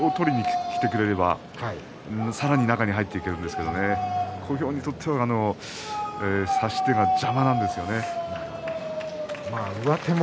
諦めて上手を取りにきてくれればさらに中に入っていけるんですけども小兵にとっては差し手が邪魔なんですね。